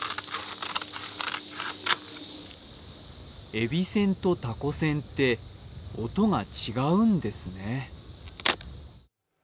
えびせんとたこせんって音が違うんですね。